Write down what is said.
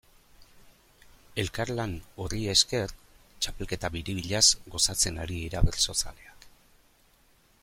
Elkarlan horri esker, txapelketa biribilaz gozatzen ari dira bertsozaleak.